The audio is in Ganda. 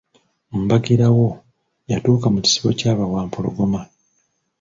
Mbagirawo, yatuuka mu kisibo kya bawampologoma.